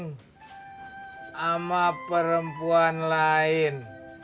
sama perempuan lain